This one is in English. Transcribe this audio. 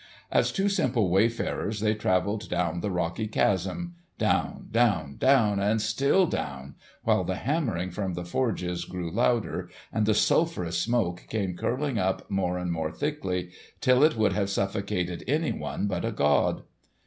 As two simple wayfarers they travelled down the rocky chasm—down, down, down, and still down, while the hammering from the forges grew louder and the sulphurous smoke came curling up more and more thickly, till it would have suffocated anyone but a god.